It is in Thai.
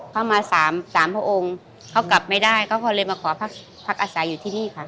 เขามาสามสามพระองค์เขากลับไม่ได้เขาก็เลยมาขอพักอาศัยอยู่ที่นี่ค่ะ